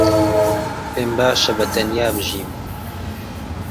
پێم باشە بەتەنیا بژیم.